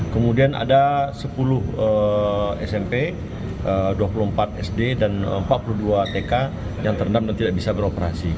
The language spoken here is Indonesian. kemudian ada sepuluh smp dua puluh empat sd dan empat puluh dua tk yang terendam dan tidak bisa beroperasi